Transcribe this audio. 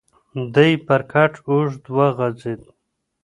دی پر کټ اوږد وغځېد.